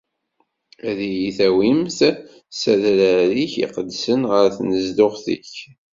Ad iyi-awint s adrar-ik iqedsen, ɣer tnezduɣt-ik!